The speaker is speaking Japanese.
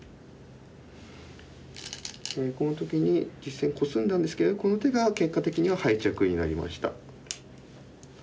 この時に実戦コスんだんですけどこの手が結果的には敗着になりました。